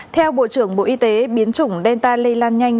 theo bộ trưởng bộ y tế biến chủng delta lây lan nhanh